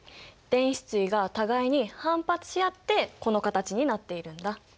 電子対が互いに反発し合ってこの形になっているんだ。